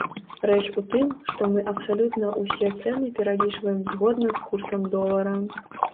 Рэч у тым, што мы абсалютна ўсе цэны пералічваем згодна з курсам долара.